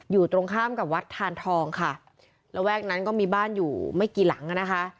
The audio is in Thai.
อยู่ตรงข้ามกับวัดทานทองค่ะระแวกนั้นก็มีบ้านอยู่ไม่กี่หลังอ่ะนะคะ